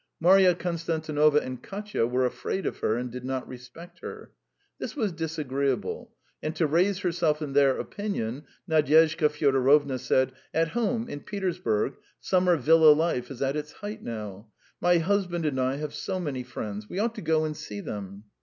Marya Konstantinovna and Katya were afraid of her, and did not respect her. This was disagreeable, and to raise herself in their opinion, Nadyezhda Fyodorovna said: "At home, in Petersburg, summer villa life is at its height now. My husband and I have so many friends! We ought to go and see them."